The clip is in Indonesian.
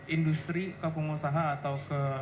industri ke pengusaha atau ke